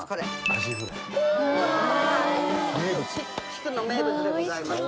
きくの名物でございます。